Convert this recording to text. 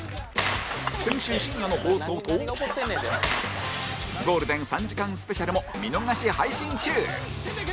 先週深夜の放送とゴールデン３時間スペシャルも見逃し配信中！